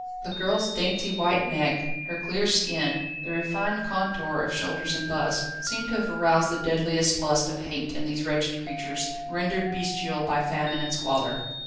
The girl's dainty white neck, her clear skin, the refined contour of shoulders and bust, seemed to have aroused the deadliest lust of hate in these wretched creatures, rendered bestial by famine and squalor.